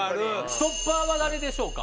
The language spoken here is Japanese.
ストッパーは誰でしょうか。